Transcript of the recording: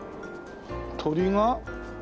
鳥が？